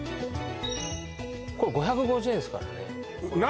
これ５５０円っすからね何？